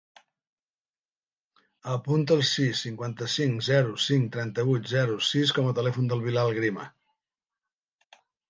Apunta el sis, cinquanta-cinc, zero, cinc, trenta-vuit, zero, sis com a telèfon del Bilal Grima.